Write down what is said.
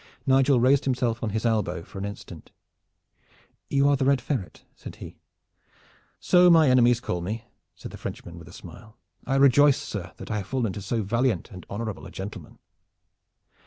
Nigel raised himself on his elbow for an instant. "You are the Red Ferret?" said he. "So my enemies call me," said the Frenchman, with a smile. "I rejoice, sir, that I have fallen to so valiant and honorable a gentleman."